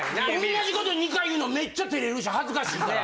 ・同じこと２回言うのめっちゃ照れるし恥ずかしいから。